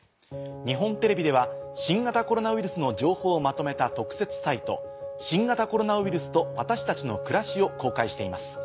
日本テレビでは新型コロナウイルスの情報をまとめた特設サイト。を公開しています。